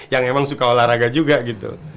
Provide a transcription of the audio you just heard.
yang emang suka olahraga juga gitu